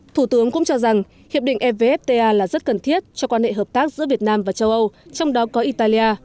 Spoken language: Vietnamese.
thủ tướng cũng cho rằng hiệp định evfta là rất cần thiết cho quan hệ hợp tác giữa việt nam và châu âu trong đó có italia